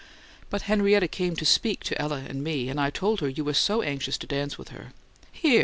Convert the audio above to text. "But Henrietta came to speak to Ella and me, and I told her you were so anxious to dance with her " "Here!"